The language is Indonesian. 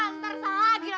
ntar salah lagi